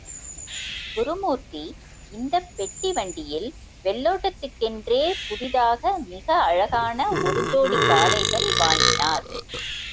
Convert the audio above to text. குருமூர்த்தி இந்தப் பெட்டி வண்டியில் வெள்ளோட்டத்துக்கென்றே புதிதாக மிக அழகான ஒரு ஜோடி காளைகள் வாங்கினார்.